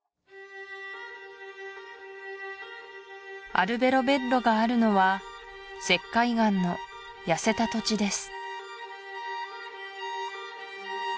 アルベロベッロがあるのは石灰岩の痩せた土地です